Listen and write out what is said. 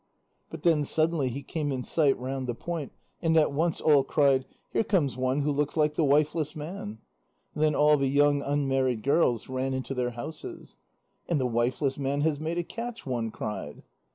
But then suddenly he came in sight round the point, and at once all cried: "Here comes one who looks like the wifeless man." And then all the young unmarried girls ran into their houses. "And the wifeless man has made a catch," one cried.